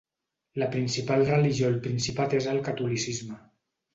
La principal religió al Principat és el Catolicisme.